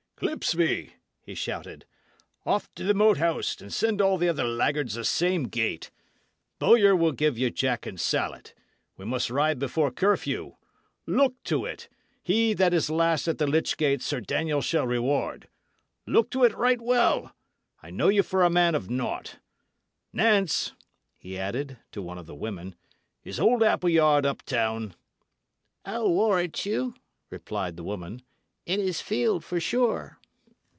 "Clipsby," he shouted, "off to the Moat House, and send all other laggards the same gate. Bowyer will give you jack and salet. We must ride before curfew. Look to it: he that is last at the lych gate Sir Daniel shall reward. Look to it right well! I know you for a man of naught. Nance," he added, to one of the women, "is old Appleyard up town?" "I'll warrant you," replied the woman. "In his field, for sure."